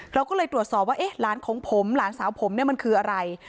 เราก็เลยตรวจสอบว่าเอ๊ะหลานของผมหลานสาวผมเนี่ยมันคืออะไร